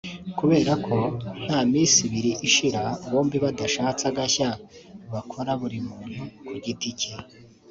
kubera ko ngo nta minsi ibiri ishira bombi badashatse agashya bakora buri muntu ku giti cye